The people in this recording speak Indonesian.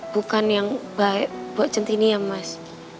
bukan yang baik buat centini ya mas